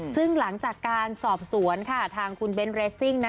ซึ่งหลังจากการสอบสวนค่ะทางคุณเบนทเรสซิ่ง